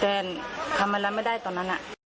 แต่คำนั้นไม่ได้ตอนนั้น